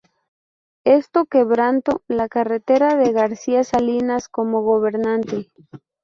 Esto quebranto la carrera de García Salinas como gobernante.